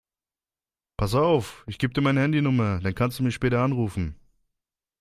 Pass auf, ich gebe dir meine Handynummer, dann kannst du mich später anrufen.